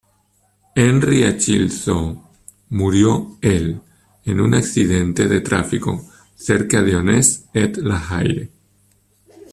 Henri-Achille Zo murió el en un accidente de tráfico cerca de Onesse-et-Laharie.